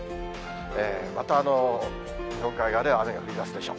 また、日本海側では雨が降りだすでしょう。